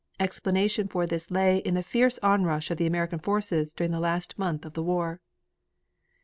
Explanation for this lay in the fierce on rush of the American forces during the last month of the war.